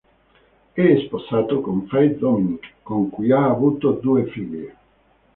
È sposato con Faith Dominick con cui ha avuto due figlie.